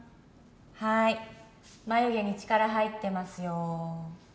はい眉毛に力入ってますよ